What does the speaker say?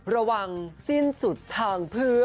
ระวังสิ้นสุดทางพืช